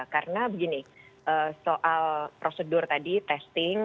karena begini soal prosedur tadi testing